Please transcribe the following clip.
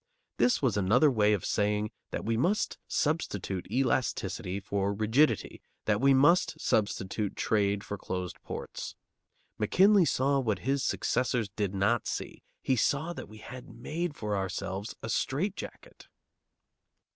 This was another way of saying that we must substitute elasticity for rigidity; that we must substitute trade for closed ports. McKinley saw what his successors did not see. He saw that we had made for ourselves a strait jacket.